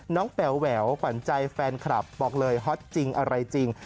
แป๋วแหววขวัญใจแฟนคลับบอกเลยฮอตจริงอะไรจริง